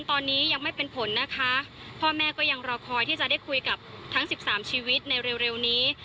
ตอนนี้ยังไม่เป็นผลนะคะพ่อแม่ก็ยังรอคอยที่จะได้คุยกับทั้ง๑๓ชีวิตในเร็วนี้